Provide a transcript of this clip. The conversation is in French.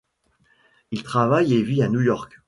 Il travaille et vit à New York.